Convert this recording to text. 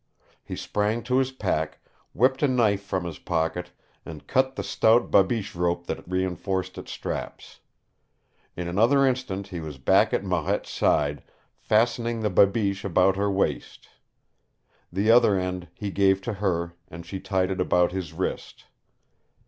He sprang to his pack, whipped a knife from his pocket, and cut the stout babiche rope that reenforced its straps. In another instant he was back at Marette's side, fastening the babiche about her waist. The other end he gave to her, and she tied it about his wrist.